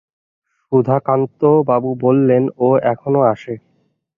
সুধাকান্তবাবু বললেন, ও এখনো আসে।